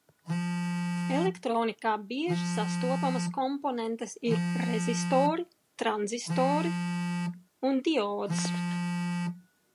Elektronikā bieži sastopamas komponentes ir rezistori, tranzistori un diodes.